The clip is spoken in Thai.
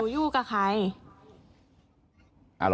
หนูมาอาศัยเขาอยู่